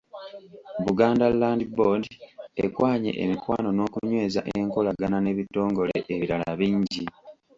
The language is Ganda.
Buganda Land Board ekwanye emikwano n’okunyweza enkolagana n'ebitongole ebirala bingi.